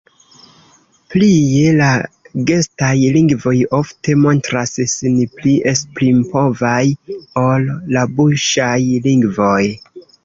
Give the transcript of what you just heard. Plie, la gestaj lingvoj ofte montras sin pli esprimpovaj ol la buŝaj lingvoj.